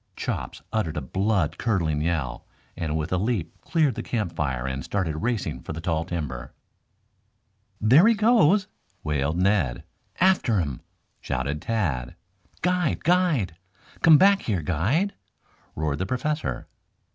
Chops uttered a blood curdling yell and with a leap cleared the campfire and started racing for the tall timber. [ILLUSTRATION: "There He Goes!"] "There he goes," wailed Ned. "After him!" shouted Tad. "Guide! Guide! Come back here, guide!" roared the Professor.